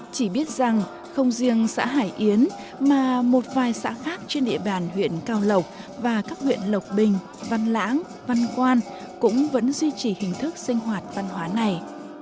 chỉ biết rằng không riêng xã hải yến mà một vài xã khác trên địa bàn huyện cao lộc và các huyện lộc bình văn lãng văn quan cũng vẫn duy trì hình thức sinh hoạt văn hóa này